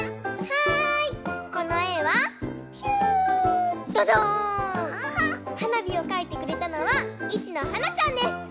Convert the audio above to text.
はなびをかいてくれたのはいちのはなちゃんです。